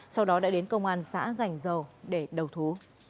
sau đó đã đến công an xã gành dầu để đầu thú